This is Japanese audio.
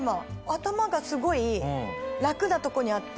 頭がすごい楽なとこにあって。